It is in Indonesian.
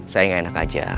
saya gak enak aja